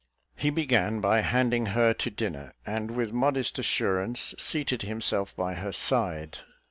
He began by handing her to dinner, and with modest assurance seated himself by her side.